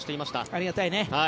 ありがたいね。